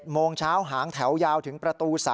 โมงเช้าหางแถวยาวถึงประตู๓